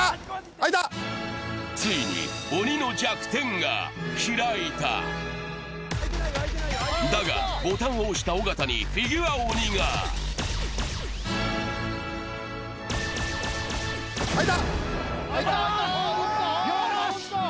ついに鬼の弱点が開いただがボタンを押した尾形にフィギュア鬼が・開いたよしっ！